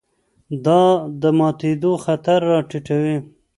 دا د ماتېدو خطر راټیټوي.